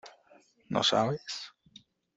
¿ no sabes?